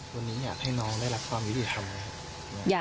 วันนี้อยากให้น้องได้รับความวิวิธีทำ